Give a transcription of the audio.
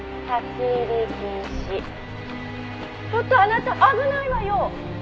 「ちょっとあなた危ないわよ！」